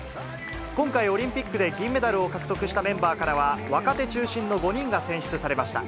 今回、オリンピックで銀メダルを獲得したメンバーからは若手中心の５人が選出されました。